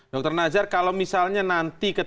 dokter nazar kalau misalnya nanti ketika